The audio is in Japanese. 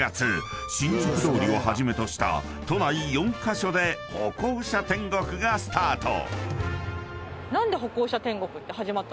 ［新宿通りをはじめとした都内４カ所で歩行者天国がスタート］